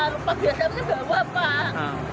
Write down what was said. lupa biasanya bawa pak